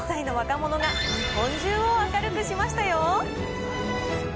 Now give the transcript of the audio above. ２１歳の若者が、日本中を明るくしましたよ。